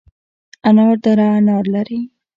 انار دره انار لري؟